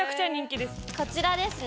こちらですね